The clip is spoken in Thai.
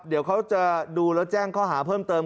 เดี๋ยวเขาจะดูแล้วแจ้งข้อหาเพิ่มเติม